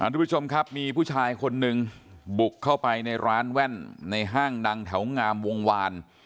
ทุกผู้ชมครับมีผู้ชายคนหนึ่งบุกเข้าไปในร้านแว่นในห้างดังแถวงามวงวาน